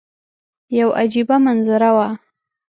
یوه عجیبه منظره وه.